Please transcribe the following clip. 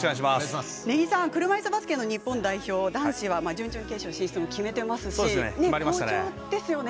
根木さん、車いすバスケの日本代表、男子は準々決勝進出も決めましたし好調ですよね。